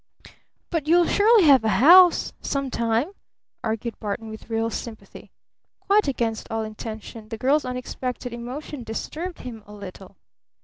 "But you'll surely have a house some time," argued Barton with real sympathy. Quite against all intention the girl's unexpected emotion disturbed him a little.